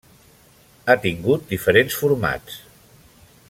Ha tingut diferents formats.